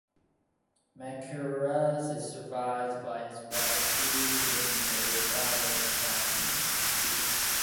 Mackerras is survived by his wife, Judy, and their daughter, Catherine.